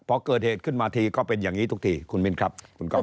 พอเกิดเหตุขึ้นมาทีก็เป็นอย่างนี้ทุกทีคุณมินครับคุณก๊อฟ